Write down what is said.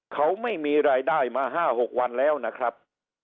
เขาไม่มีรายได้มา๕๖วันแล้วนะครับ